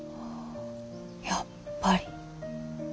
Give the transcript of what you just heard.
やっぱり。